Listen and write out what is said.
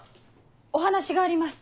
お話があります。